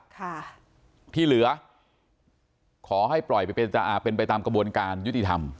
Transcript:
ค่ะที่เหลือขอให้ปล่อยไปเป็นจะอ่าเป็นไปตามกระบวนการยุติธรรม